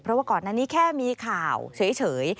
เพราะว่าก่อนอันนี้แค่มีข่าวเฉย